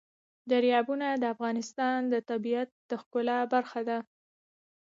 دریابونه د افغانستان د طبیعت د ښکلا برخه ده.